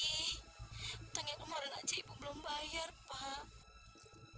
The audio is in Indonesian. katanya kemarin aja ibu belum bayar pak